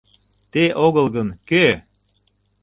ТЕ ОГЫЛ ГЫН, КӦ!